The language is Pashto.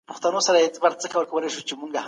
عزت یوازي د الله تعالی په لاس کي دی.